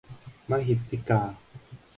มะหิทธิกา